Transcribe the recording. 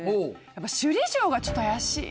やっぱ首里城がちょっと怪しいな。